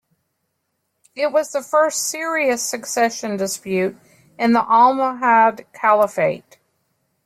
It was the first serious succession dispute in the Almohad Caliphate.